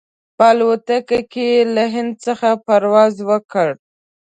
په الوتکه کې یې له هند څخه پرواز وکړ.